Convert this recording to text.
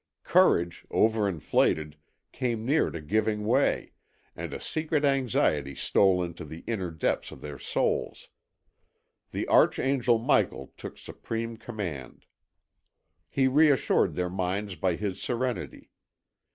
Courage, over inflated, came near to giving way, and a secret anxiety stole into the inner depths of their souls. The archangel Michael took supreme command. He reassured their minds by his serenity.